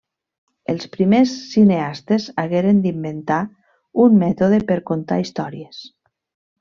Els primers cineastes hagueren d'inventar un mètode per contar històries.